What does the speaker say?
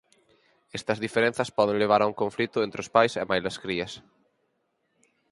Estas diferenzas poden levar a un conflito entre os pais e mailas crías.